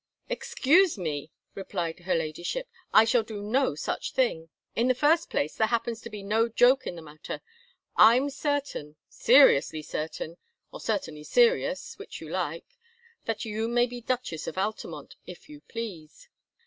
"Excuse me," replied her Ladyship, "I shall do no such thing. In the first place, there happens to be no joke in the matter. I'm certain, seriously certain, or certainly serious, which you like, that you may be Duchess of Altamont, if you please.